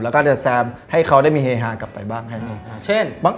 แล้วก็แซมให้เขาได้มีเฮฮากลับไปบ้าง